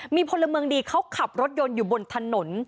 มีพลเมืองดีเขาขับรถยนต์อยู่บนถนน